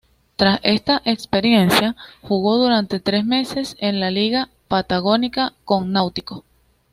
Tras esta experiencia, jugó durante tres meses en la Liga Patagónica con Náutico.